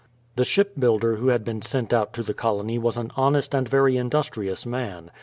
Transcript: The ship builder who had been sent out to the colony was an honest and very industrious man.